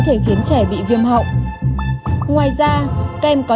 vệ sinh nguyên liệu không rõ